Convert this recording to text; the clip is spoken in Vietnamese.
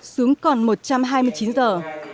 xuống còn một trăm hai mươi chín giờ